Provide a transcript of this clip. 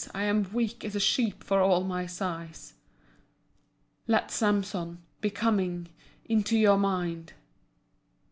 I am weak as a sheep for all my size." Let Samson Be coming Into your mind.